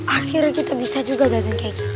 akhirnya kita bisa juga jajan kayak gini